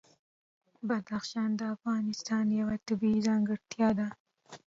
بدخشان د افغانستان یوه طبیعي ځانګړتیا ده.